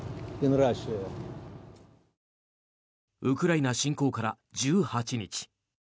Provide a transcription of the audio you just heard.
ウクライナ侵攻から１８日。